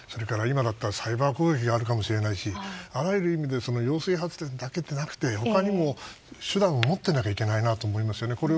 今だったらサイバー攻撃があるかもしれないしあらゆる意味で揚水発電だけじゃなくて他にも手段を持っていないといけないと思いますね。